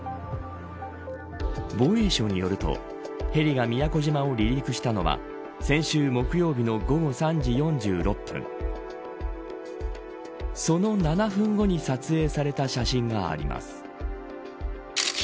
防衛省によるとヘリが宮古島を離陸したのは先週木曜日の午後３時４６分その７分後に撮影された写真があります。